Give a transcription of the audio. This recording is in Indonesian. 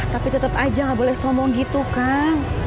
tapi tetep aja nggak boleh sombong gitu kang